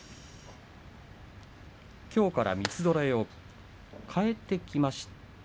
きょうから三つぞろいを変えてきました